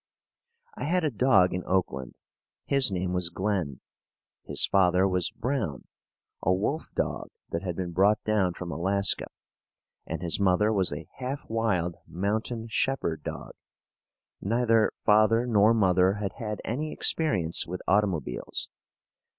I had a dog in Oakland. His name was Glen. His father was Brown, a wolf dog that had been brought down from Alaska, and his mother was a half wild mountain shepherd dog. Neither father nor mother had had any experience with automobiles.